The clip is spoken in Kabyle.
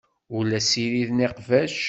Ur la ssiriden iqbac.